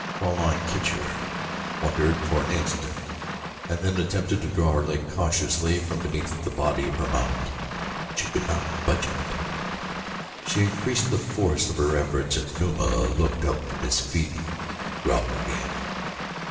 Fraulein Kircher wondered for an instant and then attempted to draw her leg cautiously from beneath the body of her mount; but she could not budge it. She increased the force of her efforts and Numa looked up from his feeding to growl again.